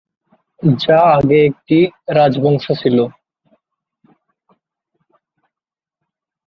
যা আগে একটি রাজবংশ ছিলে।